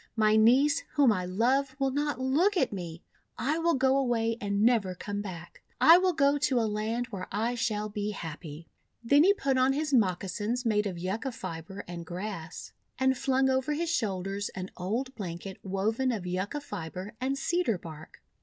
My niece, whom I love, will not look at me. I will go away and never come back. I will go to a land where I shall be happy." Then he put on his moccasins made of Yucca fibre and grass, and flung over his shoulders an old blanket woven of Yucca fibre and Cedar bark.